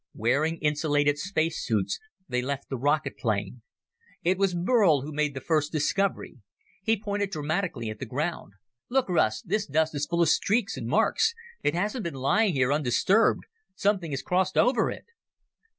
Wearing insulated space suits, they left the rocket plane. It was Burl who made the first discovery. He pointed dramatically at the ground. "Look, Russ. This dust is full of streaks and marks. It hasn't been lying here undisturbed. Something has crossed over it!"